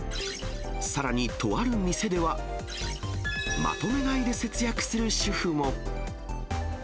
さらにとある店では、まとめ買いで節約する主婦も。